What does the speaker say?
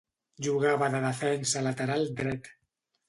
Jugava de defensa lateral dret.